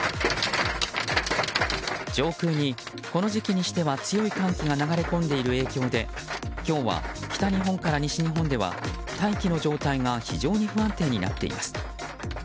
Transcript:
上空に、この時期にしては強い寒気が流れ込んでいる影響で今日は北日本から西日本では大気の状態が非常に不安定になっています。